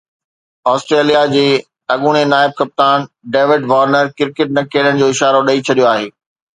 Australia جي اڳوڻي نائب ڪپتان ڊيوڊ وارنر ڪرڪيٽ نه کيڏڻ جو اشارو ڏئي ڇڏيو آهي